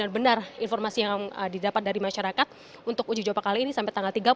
dan benar informasi yang didapat dari masyarakat untuk uji jawab kali ini